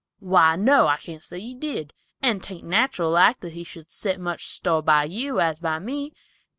"Why, no, I can't say he did, and 'tain't nateral like that he should set so much store by you, as by me.